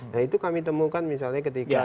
nah itu kami temukan misalnya ketika